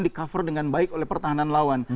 di cover dengan baik oleh pertahanan lawan